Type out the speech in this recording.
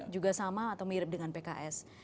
juga sama atau mirip dengan pks